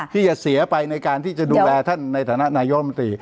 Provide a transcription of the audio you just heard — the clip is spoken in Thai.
ที่จะเสียไปในการที่จะดูแลท่านในฐานะนายกรรมตรี